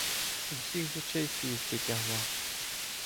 У всіх з очей слізки тягло.